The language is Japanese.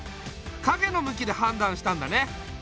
かげの向きではんだんしたんだね。